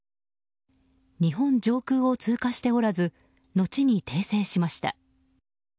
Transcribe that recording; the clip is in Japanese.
日本上空を通過しておらず後に訂正しました。